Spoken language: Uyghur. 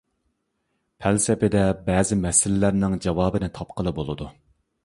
پەلسەپىدە بەزى مەسىلىلەرنىڭ جاۋابىنى تاپقىلى بولىدۇ.